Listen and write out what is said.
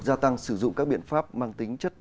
gia tăng sử dụng các biện pháp mang tính chất